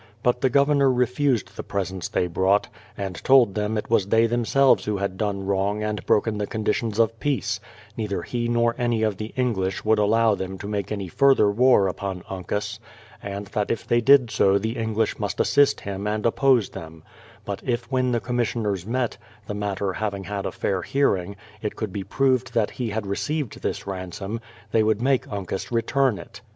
But the Governor refused the presents they brought, and told them it was they themselves who had done wrong and broken the conditions of peace; neither he nor any of the English would allow them to make any further war upon Uncas, and that if they did so the English must assist him and oppose them ; but if when the commissioners met, the matter having had a fair hearing, it could be proved that he had received this ransom, they would make Uncas return it.